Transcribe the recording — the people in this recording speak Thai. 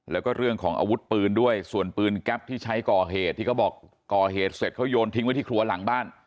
แล้วก็เรื่องของอาวุธปืนด้วยส่วนปืนแก๊ปที่ใช้ก่อเหตุที่เขาบอกก่อเหตุเสร็จเขาโยนทิ้งไว้ที่ครัวหลังบ้าน